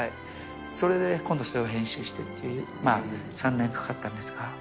それで今度それを編集してっていう、３年かかったんですが。